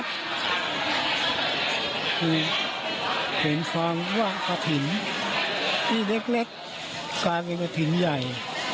คือเห็นความว่ากระถิ่นที่เล็กกลายเป็นกระถิ่นใหญ่